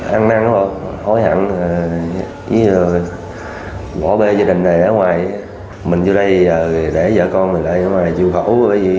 ăn năng hối hẳn bỏ bê gia đình này ở ngoài mình vô đây để vợ con mình ở ngoài chưu khẩu